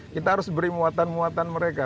kita harus beri muatan muatan mereka